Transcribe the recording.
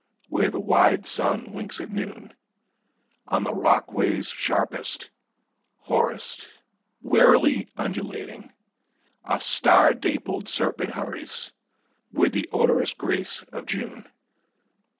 when the wide sun winks at noon, On the rock ways sharpest, hoarest, warily undulating, A star dappled serpent hurries, with the odorous grace of June.